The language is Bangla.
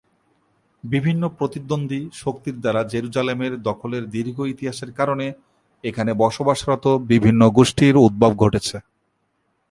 বিভিন্ন প্রতিদ্বন্দ্বী শক্তির দ্বারা জেরুসালেমের দখলের দীর্ঘ ইতিহাসের কারণে এখানে বসবাসরত বিভিন্ন গোষ্ঠীর উদ্ভব ঘটেছে।